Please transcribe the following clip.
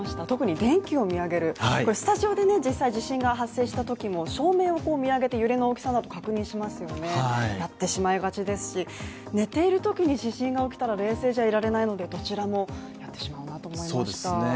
特に電気を見上げる、スタジオで実際地震が発生したときも照明を見上げて揺れの大きさを確認しますよね、やってしまいがちですし寝ているときに地震が起きたら冷静じゃいられないので、どちらもやってしまうと思いました。